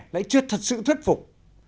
lại chưa thật sự thuyết phục